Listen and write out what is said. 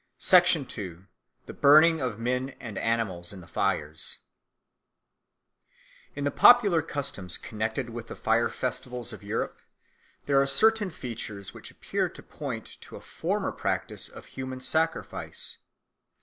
2. The Burning of Men and Animals in the Fires IN THE POPULAR customs connected with the fire festivals of Europe there are certain features which appear to point to a former practice of human sacrifice.